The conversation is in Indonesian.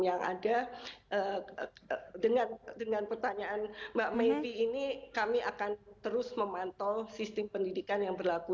yang ada dengan pertanyaan mbak maypi ini kami akan terus memantau sistem pendidikan yang berlaku